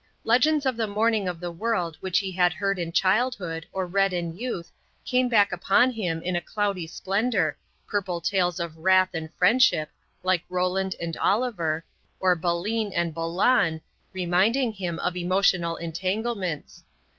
Legends of the morning of the world which he had heard in childhood or read in youth came back upon him in a cloudy splendour, purple tales of wrath and friendship, like Roland and Oliver, or Balin and Balan, reminding him of emotional entanglements.